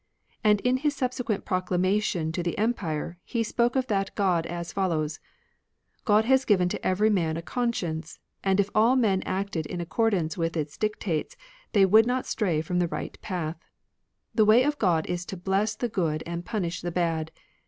And in his subsequent proclama tion to the empire, he spoke of that God as fol lows :" God has given to every man a conscience ; and if all men acted in accordance with its dictates, they would not stray from the right path. ... The way of God is to bless the good and punish the bad.